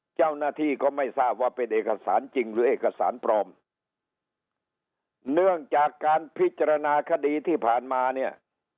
เจ้าหน้าที่ก็ไม่ทราบว่าเป็นเอกสารจริงหรือเอกสารปลอมเนื่องจากการพิจารณาคดีที่ผ่านมาเนี่ย